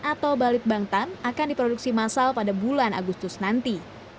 atau balit bangtan akan diproduksi masal pada bulan agustus nanti